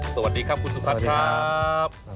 สวัสดีครับคุณสุพัฒน์ครับ